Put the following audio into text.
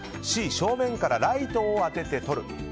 Ｃ、正面からライトを当てて撮る。